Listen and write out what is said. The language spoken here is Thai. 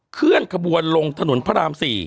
เคลื่อนขบวนลงถนนพระราม๔